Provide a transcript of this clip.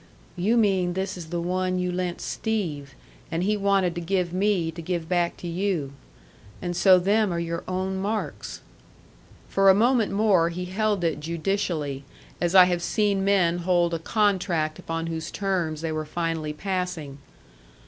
"You mean this is the one you lent Steve, and he wanted to give me to give back to you. And so them are your own marks." For a moment more he held it judicially, as I have seen men hold a contract upon whose terms they were finally passing.